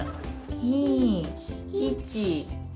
２１。